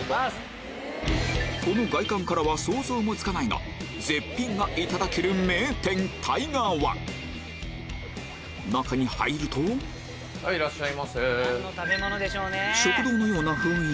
この外観からは想像もつかないが絶品がいただける名店中に入るといらっしゃいませ。